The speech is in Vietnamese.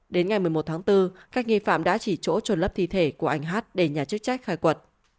đến ngày một mươi một tháng bốn các nghi phạm đã chỉ chỗ trốn lấp thi thể của anh hát để nhà chức trách khai quật